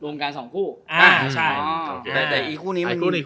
กันสองคู่อ่าใช่อ่าแต่แต่อีกคู่นี้มันคู่หนึ่ง